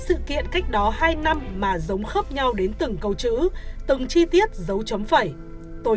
sự kiện cách đó hai năm mà giống khớp nhau đến từng câu chữ từng chi tiết dấu chấm phẩy tôi